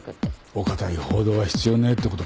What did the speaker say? お堅い報道は必要ねえってことか？